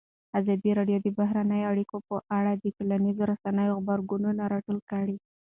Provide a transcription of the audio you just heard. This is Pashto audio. ازادي راډیو د بهرنۍ اړیکې په اړه د ټولنیزو رسنیو غبرګونونه راټول کړي.